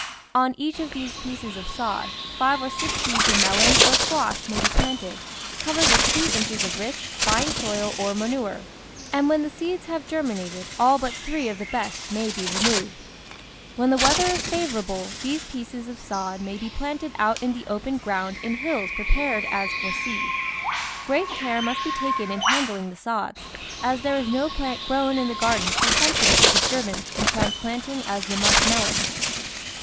On each of these pieces of sod five or six seeds of melons or squash may be planted, covered with two inches of rich, fine soil or manure, and when the seeds have ger minated, all but three of the best may be removed. When the weather is favourable, these pieces of sod may be planted out in the open ground in hills prepared as for seed. Great care must be taken in handling the sods, as there is no plant grown in the garden so sensitive to disturbance in transplanting as the musk melon.